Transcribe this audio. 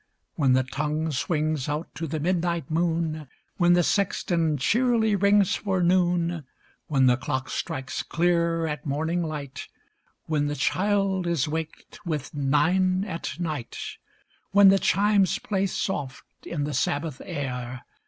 When the tonirue swino;s out to the midnin; ht moon— When the sexton checrly rings for noon — When the clock strikes clear at morning light — When the child is waked with " nine at night" — When the chimes play soft in the Sabbath air.